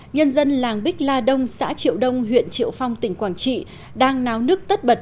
nhân dân làng bích la đông xã triệu đông huyện triệu phong tỉnh quảng trị đang náo nức tất bật